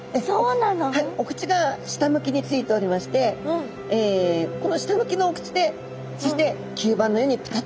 お口が下向きについておりましてこの下向きのお口でそして吸盤のようにぴたっとくっつくこともできます。